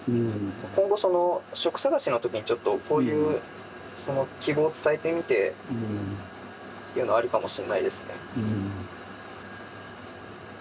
今後職探しの時にちょっとこういう希望を伝えてみてというのはあるかもしれないですね。